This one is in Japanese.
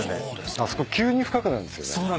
あそこ急に深くなるんすよね。